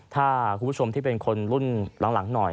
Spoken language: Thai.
ถ้าคุณผู้ชมที่เป็นคนรุ่นหลังหน่อย